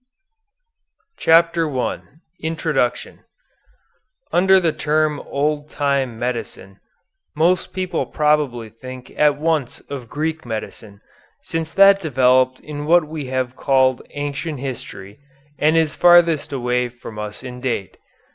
PLATO. I INTRODUCTION Under the term Old Time Medicine most people probably think at once of Greek medicine, since that developed in what we have called ancient history, and is farthest away from us in date.